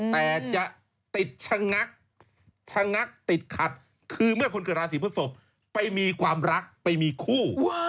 แต่จะติดชะงักชะงักติดขัดคือเมื่อคนเกิดราศีพฤศพไปมีความรักไปมีคู่